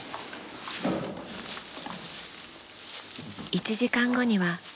１時間後には。